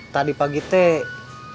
tadi pagi teh